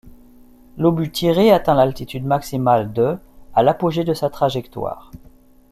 L’obus tiré atteint l’altitude maximale de à l’apogée de sa trajectoire.